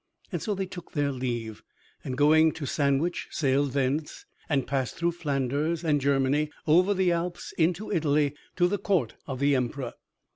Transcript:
So they took their leave, and going to Sandwich, sailed thence, and passed through Flanders and Germany over the Alps into Italy to the court of the Emperor.